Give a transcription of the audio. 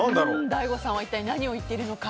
大悟さんは一体何を言っているのか。